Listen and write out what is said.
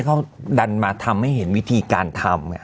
เขาดันมาทำให้เห็นวิธีการทำ